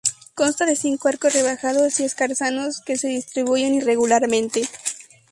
Consta de cinco arcos rebajados y escarzanos, que se distribuyen irregularmente.